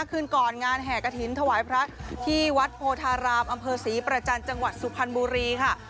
คืนก่อนงานแห่กระถิ่นถวายพระที่วัดโพธารามอำเภอศรีประจันทร์จังหวัดสุพรรณบุรีค่ะ